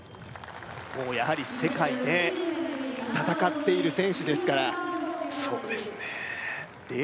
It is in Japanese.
もうやはり世界で戦っている選手ですからそうですねえ